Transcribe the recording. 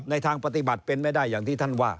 ทางปฏิบัติเป็นไม่ได้อย่างที่ท่านว่า